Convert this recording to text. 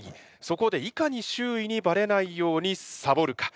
そこでいかに周囲にバレないようにサボるか？